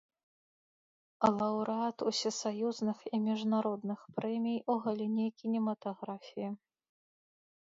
Лаўрэат усесаюзных і міжнародных прэмій у галіне кінематаграфіі.